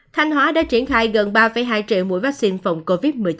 thanh hóa đã triển khai gần ba hai triệu